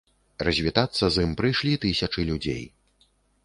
Развітацца з ім прыйшлі тысячы людзей.